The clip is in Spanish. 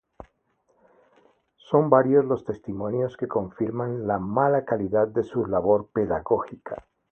Son varios los testimonios que confirman la mala calidad de su labor pedagógica.